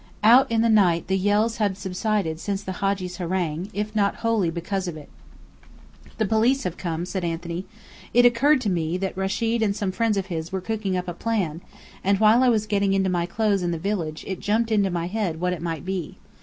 Out in the night the yells had subsided since the Hadji's harangue, if not wholly because of it. "The police have come," said Anthony. "It occurred to me that Rechid and some friends of his were cooking up a plan, and while I was getting into my clothes in the village it jumped into my head what it might be.